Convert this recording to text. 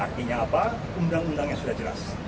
artinya apa undang undang yang sudah jelas